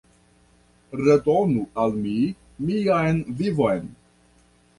Redonu al mi mian vivon!